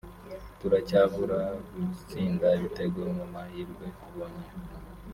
turacyabura gutsinda ibitego mu mahirwe tubonye